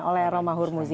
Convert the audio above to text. oleh romahur muzi